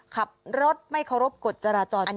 ขับรถไม่เคารพกฎจราจรก็ประมาท